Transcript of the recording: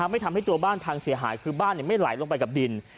ไม่ทำให้ตัวบ้านพังเสียหายคือบ้านไม่ไหลลงไปกับดิน